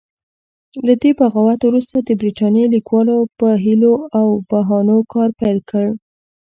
له دې بغاوت وروسته د برتانیې لیکوالو په حیلو او بهانو کار پیل کړ.